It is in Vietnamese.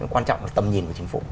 quan trọng là tầm nhìn của chính phủ